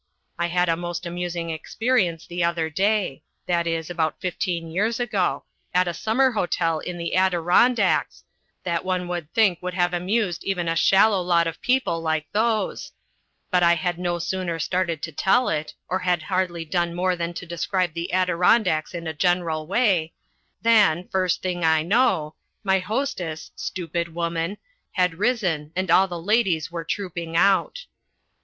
I had a most amusing experience the other day that is, about fifteen years ago at a summer hotel in the Adirondacks, that one would think would have amused even a shallow lot of people like those, but I had no sooner started to tell it or had hardly done more than to describe the Adirondacks in a general way than, first thing I know, my hostess, stupid woman, had risen and all the ladies were trooping out.